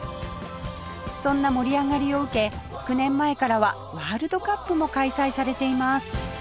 そんな盛り上がりを受け９年前からはワールドカップも開催されています